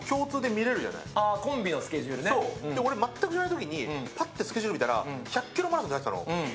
俺全く知らない時にぱってスケジュール見たら１００ｋｍマラソンって入ってたの。